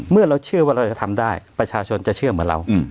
เมื่อเราเชื่อว่าเราจะทำได้ประชาชนจะเชื่อเหมือนเรา